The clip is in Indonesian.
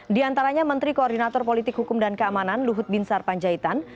di antaranya menteri koordinator politik hukum dan keamanan luhut binsar panjaitan